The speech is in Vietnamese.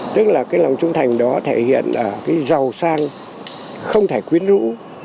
tức là cái lòng trung thành đó thể hiện ở cái giàu sang không thể quyến rũ